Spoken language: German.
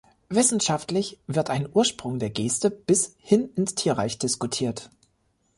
Wissenschaftlich wird ein Ursprung der Geste bis hin ins Tierreich diskutiert.